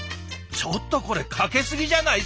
ちょっとこれかけすぎじゃない？